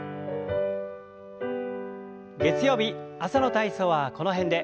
月曜日朝の体操はこの辺で。